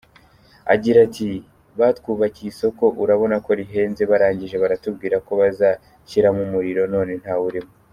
Agira ati “Batwubakiye isoko, urabona ko rihenze, barangije batubwira ko bazashyiramo umuriro none ntawurimo.